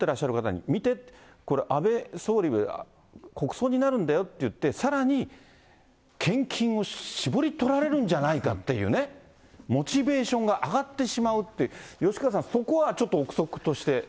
人に、見て、これ、安倍総理、国葬になるんだよっていって、さらに献金を搾り取られるんじゃないかっていうね、モチベーションが上がってしまうって、吉川さん、そこはちょっと臆測として。